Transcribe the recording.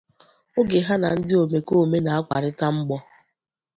oge ha na ndị omekoome na-akwarịta mgbọ